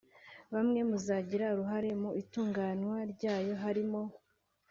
Bamwe mu bazagira uruhare mu itunganywa ryayo harimo